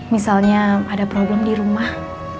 misalnya ada problem di rumah